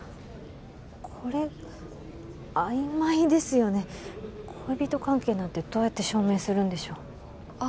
これ曖昧ですよね恋人関係なんてどうやって証明するんでしょうあ